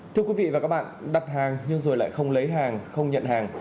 thưa quý vị và các bạn đặt hàng nhưng rồi lại không lấy hàng không nhận hàng